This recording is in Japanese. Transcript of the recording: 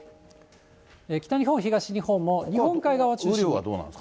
北日本、東日本も、日本海側中心に。